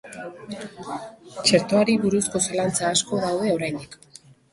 Txertoari buruzko zalantza asko daude oraindik.